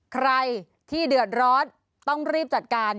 ใครที่เดือดร้อนต้องรีบจัดการ